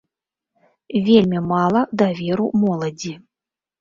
Вельмі мала даверу моладзі.